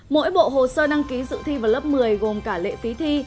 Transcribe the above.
mỗi bộ hồ sơ đăng ký dự thi vào lớp một mươi gồm cả lệ phí thi